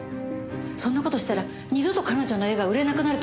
そんな事したら二度と彼女の絵が売れなくなると思わなかったの！？